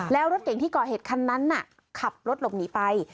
แล้วรถเก่งที่ก่อเหตุคันนั้นขับรถหลบหนีไป